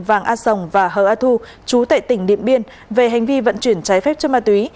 vàng á sồng và hờ á thu chú tại tỉnh niệm biên về hành vi vận chuyển trái phép chân ma túy